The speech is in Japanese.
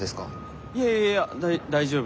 いやいやいやだ大丈夫。